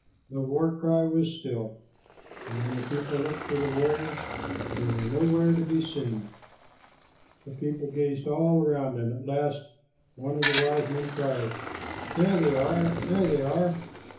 The war cry was still, and when the people looked, for the warriors, they were nowhere to be seen. The people gazed all around, and at last one of the wise men cried, "There they are, there they are!"